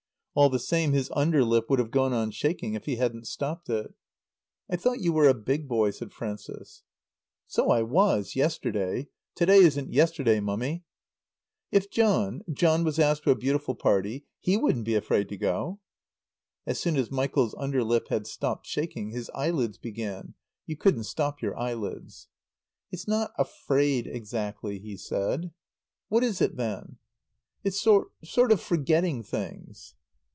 All the same his under lip would have gone on shaking if he hadn't stopped it. "I thought you were a big boy," said Frances. "So I was, yesterday. To day isn't yesterday, Mummy." "If John John was asked to a beautiful party he wouldn't be afraid to go." As soon as Michael's under lip had stopped shaking his eyelids began. You couldn't stop your eyelids. "It's not afraid, exactly," he said. "What is it, then?" "It's sort sort of forgetting things."